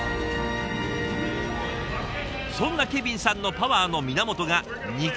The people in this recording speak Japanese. そんなケビンさんのパワーの源が「肉」。